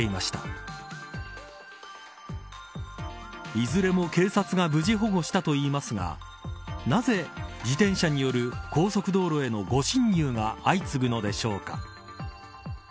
いずれも、警察が無事保護したといいますがなぜ自転車による高速道路への誤進入が相次ぐのでしょうか。